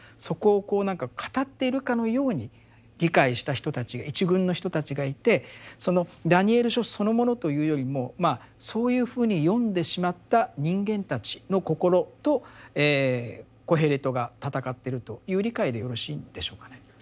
そこを何か語っているかのように理解した人たちが一群の人たちがいてその「ダニエル書」そのものというよりもまあそういうふうに読んでしまった人間たちの心とコヘレトが闘ってるという理解でよろしいんでしょうかね。